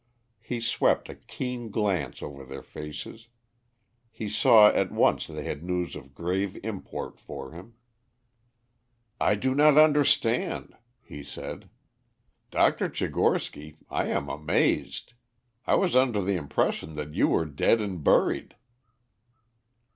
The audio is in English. He swept a keen glance over their faces; he saw at once they had news of grave import for him. "I do not understand," he said. "Dr. Tchigorsky, I am amazed. I was under the impression that you were dead and buried."